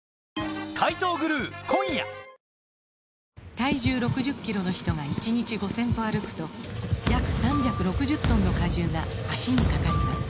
体重６０キロの人が１日５０００歩歩くと約３６０トンの荷重が脚にかかります